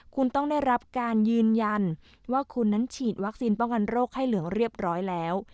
คุณต้องได้รับการยืนยันว่าคุณนั้นฉีดวัคซีนป้องกันโรคไข้เหลืองเรียบร้อยแล้ว